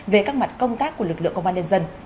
về các mặt công tác của lực lượng công an nhân dân